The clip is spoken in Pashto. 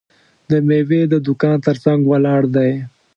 د میوې د دوکان ترڅنګ ولاړ دی.